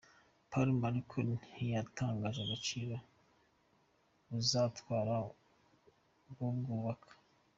Palmer ariko ntiyatangaje agaciro buzatwara kubwubaka.